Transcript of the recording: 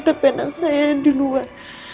tapi anak saya yang di luar